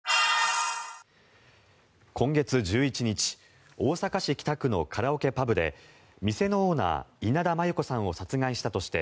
今月１１日大阪市北区のカラオケパブで店のオーナー、稲田真優子さんを殺害したとして